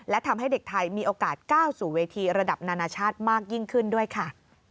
และทำให้เด็กไทยมีโอกาสก้าวสู่เวทีระดับนานาชาติมากยิ่งขึ้นด้วยค่ะ